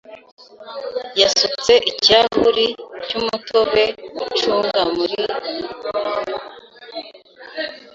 yasutse ikirahuri cy'umutobe w'icunga mu kibindi.